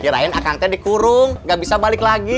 kirain akang teh dikurung gak bisa balik lagi